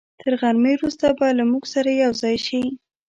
تر غرمې وروسته به له موږ سره یوځای شي.